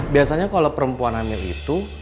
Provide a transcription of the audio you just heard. biasanya kalau perempuan hamil itu